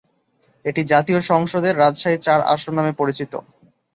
এটি জাতীয় সংসদের রাজশাহী চার আসন নামে পরিচিত।